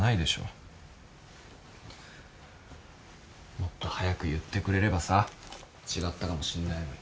もっと早く言ってくれればさ違ったかもしんないのに。